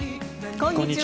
こんにちは。